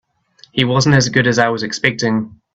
He wasn't as good as I was expecting.